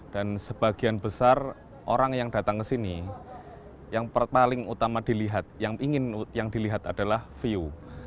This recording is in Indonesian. dan sebagian besar orang yang datang ke sini yang paling utama dilihat yang ingin dilihat adalah view